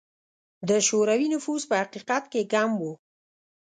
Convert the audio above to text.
د شوروي نفوس په حقیقت کې کم و.